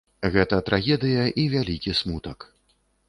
Гэта трагедыя і вялікі смутак.